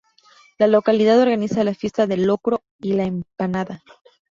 La localidad organiza la Fiesta del Locro y la Empanada.